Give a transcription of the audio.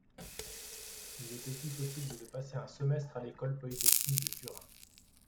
Il est aussi possible de passer un semestre à l'École polytechnique de Turin.